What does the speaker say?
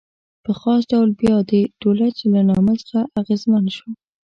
په خاص ډول بیا د دولچ له نامه څخه اغېزمن شو.